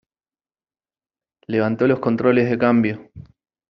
Levantó los controles de cambio.